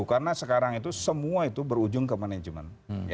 karena sekarang itu semua itu berujung ke manajemen